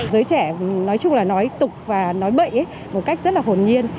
giới trẻ nói chung là nói tục và nói bệnh một cách rất là hồn nhiên